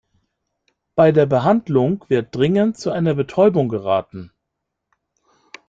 Bei der Behandlung wird dringend zu einer Betäubung geraten.